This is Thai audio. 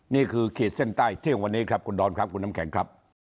นี่คือเขตเส้นใต้เที่ยววันนี้ครับคุณดรคุณน้ำแข็งครับ